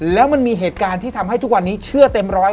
แล้วมันมีเหตุการณ์ที่ทำให้ทุกวันนี้เชื่อเต็มร้อย